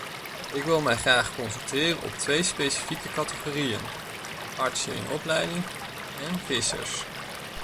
Ik wil mij graag concentreren op twee specifieke categorieën: artsen in opleiding en vissers.